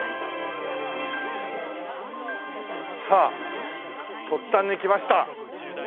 さあ突端に来ました。